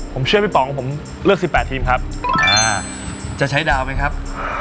ผมเชื่อพี่ป๋องผมเลือกสิบแปดทีมครับจะใช้ดาวไหมครับ